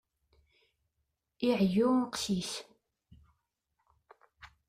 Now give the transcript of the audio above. Iɛeyyu uqcic.